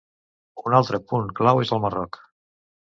Un altre punt clau és el Marroc.